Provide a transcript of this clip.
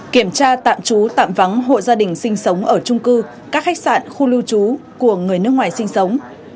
kiểm tra tạm trú tạm vắng hộ gia đình sinh sống ở trung cư các khách sạn khu lưu trú của người nước ngoài sinh sống